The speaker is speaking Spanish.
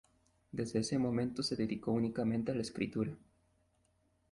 Desde ese momento se dedicó únicamente a la escritura.